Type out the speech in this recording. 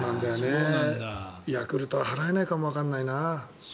ヤクルトは払えないかもわからないな。